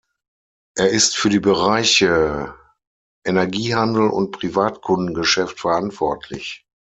Er ist für die Bereiche Energiehandel und Privatkundengeschäft verantwortlich.